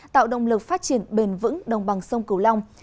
tạo động lực phát triển bền vững đồng bằng sông cửu long